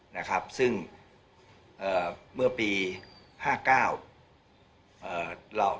นะครับซึ่งหรือเอ่อเมื่อปีห้าเก้า